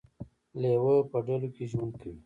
لیوه په ډلو کې ژوند کوي